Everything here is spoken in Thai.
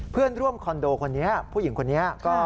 เพื่อนร่วมคอนโดคนนี้ผู้หญิงคนนี้ก็